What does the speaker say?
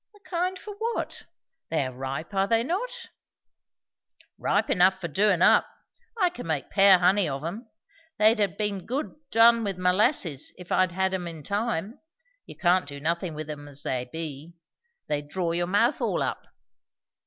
"The kind for what? They are ripe, are they not?" "Ripe enough for doin' up. I can make pear honey of 'em. They'd ha' been good done with molasses, if I'd ha' had 'em in time. You can't do nothin' with 'em as they be. They'd draw your mouth all up."